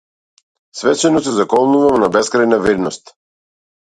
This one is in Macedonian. Свечено се заколнувам на бескрајна верност.